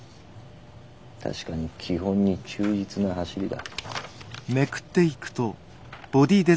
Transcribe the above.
確かに基本に忠実な走りだ。